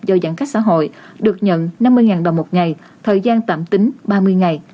do giãn cách xã hội được nhận năm mươi đồng một ngày thời gian tạm tính ba mươi ngày